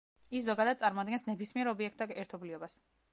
ის ზოგადად წარმოადგენს ნებისმიერ ობიექტთა ერთობლიობას.